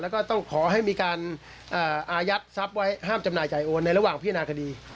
แล้วก็ต้องขอให้มีการอายัดทรัพย์ไว้ห้ามจำหน่ายจ่ายโอนในระหว่างพิจารณาคดี